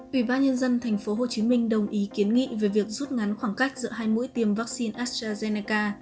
ủy ban nhân dân tp hcm đồng ý kiến nghị về việc rút ngắn khoảng cách giữa hai mũi tiêm vaccine astrazeneca